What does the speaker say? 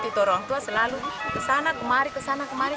tito orang tua selalu kesana kemari kesana kemari